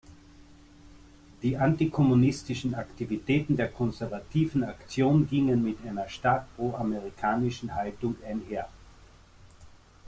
Die antikommunistischen Aktivitäten der Konservativen Aktion gingen mit einer stark pro-amerikanischen Haltung einher.